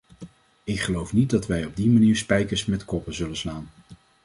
Ik geloof niet dat wij op die manier spijkers met koppen zullen slaan.